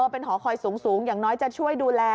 เป็นหอคอยสูงอย่างน้อยจะช่วยดูแล